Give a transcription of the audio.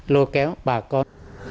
lôi kéo bà con